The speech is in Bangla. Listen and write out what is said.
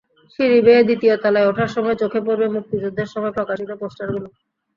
সিঁড়ি বেয়ে দ্বিতীয় তলায় ওঠার সময় চোখে পড়বে মুক্তিযুদ্ধের সময় প্রকাশিত পোস্টারগুলো।